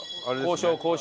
交渉交渉。